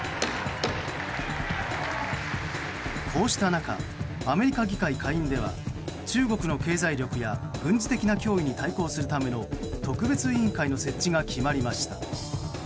こうした中アメリカ議会下院では中国の経済力や軍事的な脅威に対抗するための特別委員会の設置が決まりました。